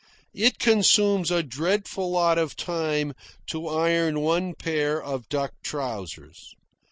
It consumes a dreadful lot of time to iron one pair of duck trousers.